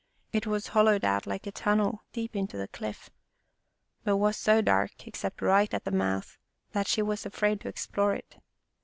It was hollowed out like a tunnel deep into the cliff, but was so dark, except right at the mouth, that she was afraid to explore it.